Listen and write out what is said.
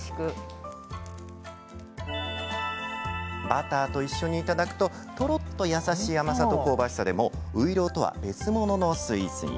バターと一緒にいただくととろっと優しい甘さと香ばしさでもう、ういろうとは別物のスイーツに。